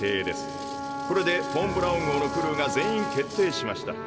これでフォン・ブラウン号のクルーが全員決定しました。